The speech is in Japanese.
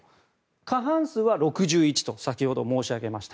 過半数は６１と先ほど申し上げました。